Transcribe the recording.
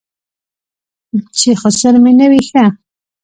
چې خسر مې نه وي ښه.